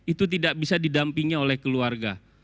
itu tidak bisa didampingi oleh keluarga